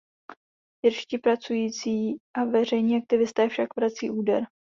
Irští pracující a veřejní aktivisté však vrací úder.